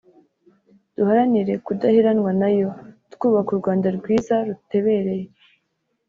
duharanire kudaherenwa nayo twubaka u Rwanda rwiza rutebereye